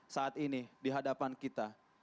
saat ini dihadapan kita